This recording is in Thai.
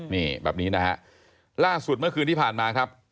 นี่แบบนี้นะฮะล่าสุดเมื่อคืนที่ผ่านมาครับ